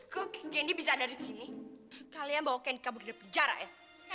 kok kendi bisa ada di sini kalian bawa kendi kabur dari penjara ya